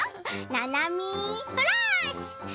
「ななみフラッシュ！」。